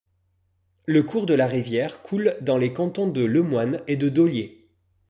Le cours de la rivière coule dans les cantons de Lemoine et de Dollier.